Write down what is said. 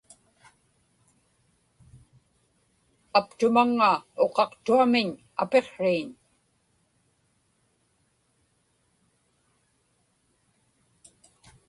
aptumaŋŋa uqaqtuamiñ apiqsriiñ